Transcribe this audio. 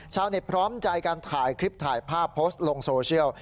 พร้อมใจการถ่ายคลิปถ่ายภาพโพสต์ลงโซเชียล